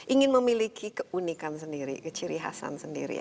ingin memiliki keunikan sendiri keciri hasan sendiri